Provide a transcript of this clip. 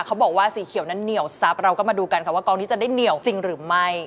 เขาบอกว่าสีเขียวนั้นเหนียวซับเราก็มาดูกันค่ะว่ากองนี้จะได้เหนียวจริงหรือไม่